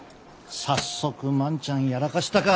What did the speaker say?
早速万ちゃんやらかしたか。